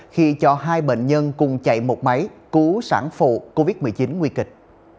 khi cho hai bệnh nhân cùng chạy một máy cứu sản phụ covid một mươi chín nguy kịch